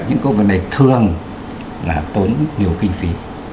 những công việc này thường là tốn nhiều kinh phí